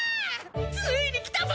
ついに来たぞ！